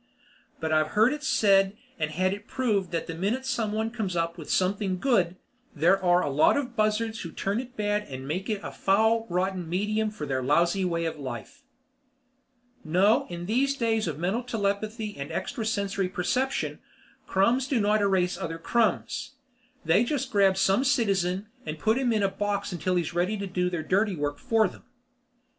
But I've heard it said and had it proved that the minute someone comes up with something good, there are a lot of buzzards who turn it bad and make it a foul, rotten medium for their lousy way of life. No, in these days of mental telepathy and extra sensory perception, crumbs do not erase other crumbs. They just grab some citizen and put him in a box until he is ready to do their dirty work for them.